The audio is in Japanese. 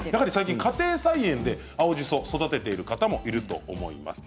家庭菜園で青じそを育てている方いると思います。